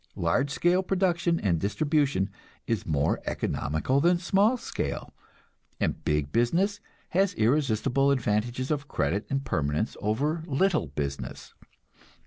Large scale production and distribution is more economical than small scale, and big business has irresistible advantages of credit and permanence over little business.